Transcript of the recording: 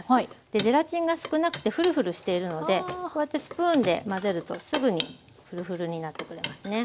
でゼラチンが少なくてフルフルしているのでこうやってスプーンで混ぜるとすぐにフルフルになってくれますね。